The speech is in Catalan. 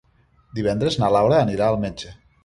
Divendres na Laura anirà al metge.